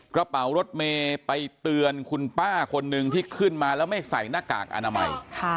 กระเป๋ารถเมย์ไปเตือนคุณป้าคนนึงที่ขึ้นมาแล้วไม่ใส่หน้ากากอนามัย